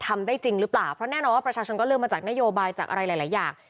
ทำได้จริงหรือเปล่าเพราะแน่นอนว่าประชาชนก็เลือกมาจากนโยบายจากอะไรหลายอย่าง